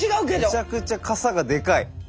めちゃくちゃ傘がでかい。